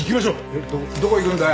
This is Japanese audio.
えっどこ行くんだよ？